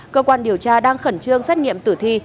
cơ quan điều tra đang khẩn trương xét nghiệm tử thi